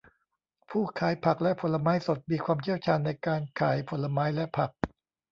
ผู้ขายผักและผลไม้สดมีความเชี่ยวชาญในการขายผลไม้และผัก